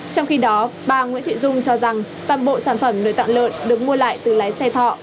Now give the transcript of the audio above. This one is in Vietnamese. trong khi đó bà nguyễn thị dung cho rằng toàn bộ sản phẩm nuôi tạng lợn được mua lại từ lái xe thọ